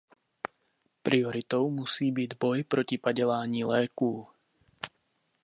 Prioritou musí být boj proti padělání léků.